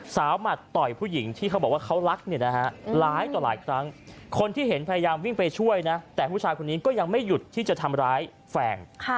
หมัดต่อยผู้หญิงที่เขาบอกว่าเขารักเนี่ยนะฮะหลายต่อหลายครั้งคนที่เห็นพยายามวิ่งไปช่วยนะแต่ผู้ชายคนนี้ก็ยังไม่หยุดที่จะทำร้ายแฟน